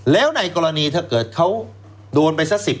แล้วในกรณีถ้าเกิดเขาโดนไปซะ๑๐เมตร